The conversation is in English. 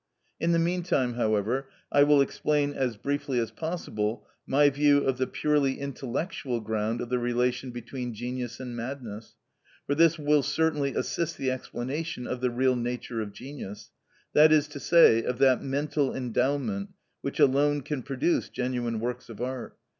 In the meantime, however, I will explain as briefly as possible my view of the purely intellectual ground of the relation between genius and madness, for this will certainly assist the explanation of the real nature of genius, that is to say, of that mental endowment which alone can produce genuine works of art.